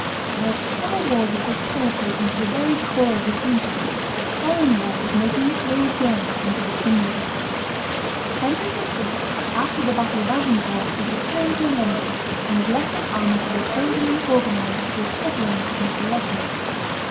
Whilst civil war was thus penetrating to the very core of the kingship, foreign war was making its way again into the kingdom. Henry V., after the battle of Agincourt, had returned to London, and had left his army to repose and reorganize after its sufferings and its losses.